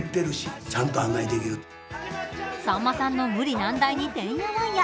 さんまの無理難題にてんやわんや。